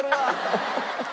ハハハハ！